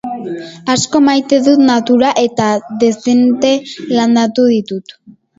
Asko maite dut natura eta dezente landatu ditut.